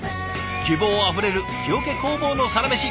希望あふれる木桶工房のサラメシ